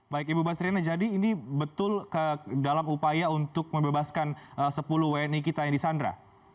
baik ibu basriana jadi ini betul dalam upaya untuk membebaskan sepuluh wni kita yang di sandra